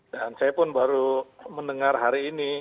dan saya pun baru mendengar hari ini